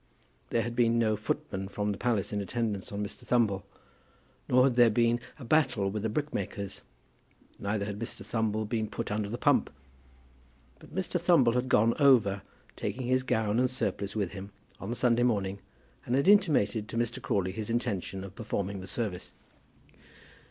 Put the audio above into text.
There had been no footman from the palace in attendance on Mr. Thumble, nor had there been a battle with the brickmakers; neither had Mr. Thumble been put under the pump. But Mr. Thumble had gone over, taking his gown and surplice with him, on the Sunday morning, and had intimated to Mr. Crawley his intention of performing the service.